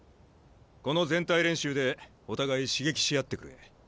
この全体練習でお互い刺激し合ってくれ。